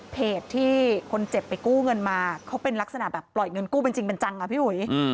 เพจที่คนเจ็บไปกู้เงินมาเขาเป็นลักษณะแบบปล่อยเงินกู้เป็นจริงเป็นจังอ่ะพี่อุ๋ย